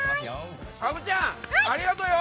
ハグちゃん、ありがとよ！